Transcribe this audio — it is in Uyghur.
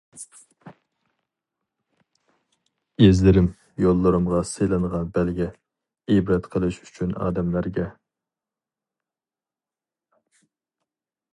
ئىزلىرىم، يوللىرىمغا سېلىنغان بەلگە، ئىبرەت قىلىش ئۈچۈن ئادەملەرگە.